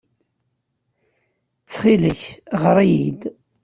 Ttxil-k, ɣer-iyi-d.